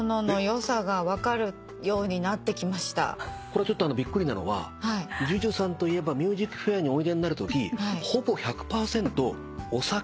これちょっとびっくりなのはＪＵＪＵさんといえば『ＭＵＳＩＣＦＡＩＲ』においでになるときほぼ１００％お酒の話ですよ。